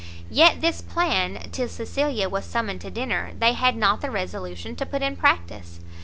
Yet this plan, till Cecilia was summoned to dinner, they had not the resolution to put in practice.